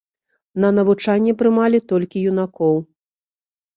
На навучанне прымалі толькі юнакоў.